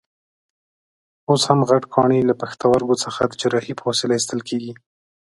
اوس هم غټ کاڼي له پښتورګو څخه د جراحۍ په وسیله ایستل کېږي.